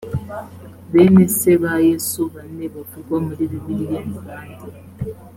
bene se ba yesu bane bavugwa muri bibiliya ni bande